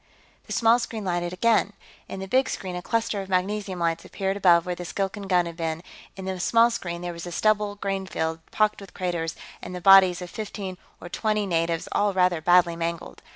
The small screen lighted again. In the big screen, a cluster of magnesium lights appeared above where the Skilkan gun had been; in the small screen, there was a stubbled grain field, pocked with craters, and the bodies of fifteen or twenty natives, all rather badly mangled.